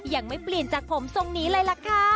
ยังไม่เปลี่ยนจากผมทรงนี้เลยล่ะค่ะ